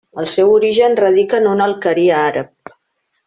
El seu origen radica en una alqueria àrab.